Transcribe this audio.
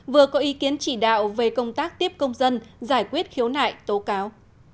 vừa có ý kiến chỉ đạo về công tác tiếp công dân giải quyết khiếu nại tố cáo